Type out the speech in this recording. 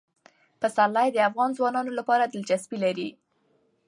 پسرلی د افغان ځوانانو لپاره دلچسپي لري.